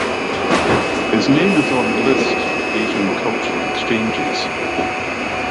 His name is on the list of Asian cultural exchanges.